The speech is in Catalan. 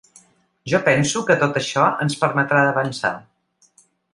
Jo penso que tot això ens permetrà d’avançar.